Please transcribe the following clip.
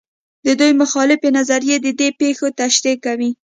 دوې مخالفې نظریې د دې پېښو تشریح کوي.